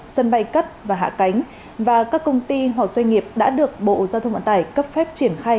sân bay cất và hạ cánh và các công ty hoặc doanh nghiệp đã được bộ giao thông vận tải cấp phép triển khai